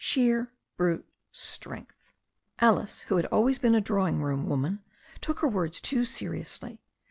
"Sheer brute Strength." Alice, who had always been a drawing room woman, took her words too seriously.